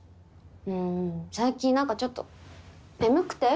うん最近何かちょっと眠くて。